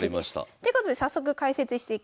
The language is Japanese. ということで早速解説していきます。